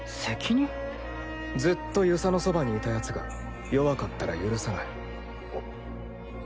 ずっと遊佐のそばにいた奴が弱かったら許さない。